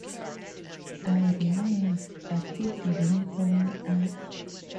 I remember — but he didn't call me up.